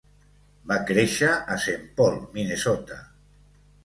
Va créixer a Saint Paul, Minnesota.